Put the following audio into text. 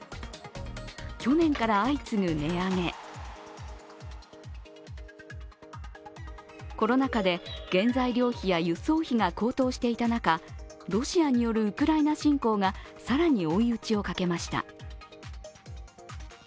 去年から相次ぐ値上げコロナ禍で原材料費や輸送費が高騰していた中、ロシアによるウクライナ侵攻が更に追い打ちをかけました。